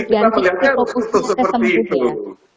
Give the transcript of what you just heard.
jadi kita melihatnya harus seperti itu